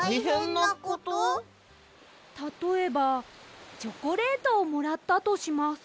たとえばチョコレートをもらったとします。